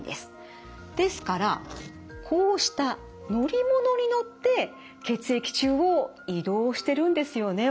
ですからこうした乗り物に乗って血液中を移動してるんですよね